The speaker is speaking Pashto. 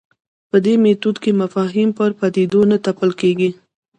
په دې میتود کې مفاهیم پر پدیدو نه تپل کېږي.